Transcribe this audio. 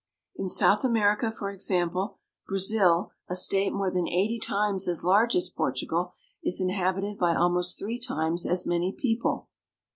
In South America, for example, Brazil, a state more than eighty times as large as Portugal, is inhabited by almost three times as many people.